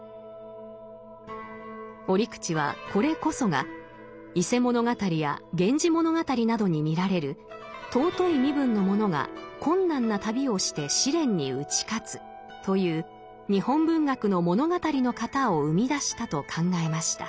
折口はこれこそが「伊勢物語」や「源氏物語」などに見られる「尊い身分の者が困難な旅をして試練に打ち勝つ」という日本文学の物語の型を生み出したと考えました。